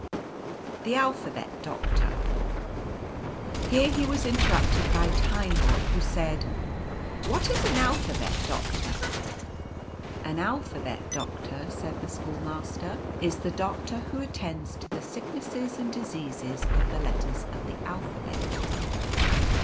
"The Alphabet Doctor " Here he was interrupted by Tineboy, who said —" What is an Alphabet Doctor ?" c< An Alphabet Doctor," said the schoolmaster, u is the doctor who attends to the sicknesses and diseases of the letters of the Alphabet."